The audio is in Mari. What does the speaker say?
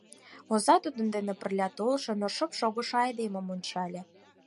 Оза тудын дене пырля толшо, но шып шогышо айдемым ончале.